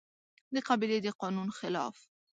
د قبيلې د قانون خلاف